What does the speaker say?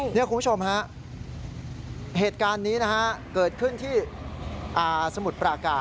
คุณผู้ชมครับเหตุการณ์นี้เกิดขึ้นที่สมุทรปราการ